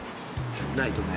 ないとね。